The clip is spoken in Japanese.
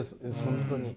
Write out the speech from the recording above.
本当に。